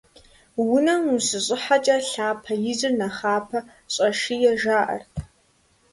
Унэм ущыщӀыхьэкӀэ лъапэ ижьыр нэхъапэ щӀэшие, жаӀэрт.